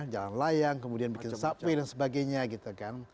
jalan layang kemudian bikin subway dan sebagainya gitu kan